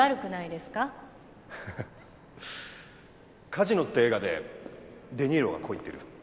『カジノ』って映画でデ・ニーロがこう言ってる。